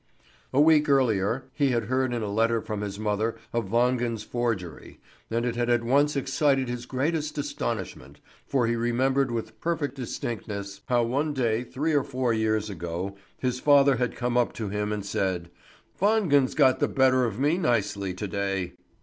A week earlier he had heard in a letter from his mother of Wangen's forgery, and it had at once excited his greatest astonishment, for he remembered with perfect distinctness how one day three or four years ago his father had come up to him and said: "Wangen's got the better of me nicely to day!"